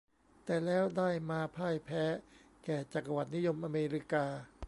แต่แล้วได้มาพ่ายแพ้แก่จักรวรรดินิยมอเมริกา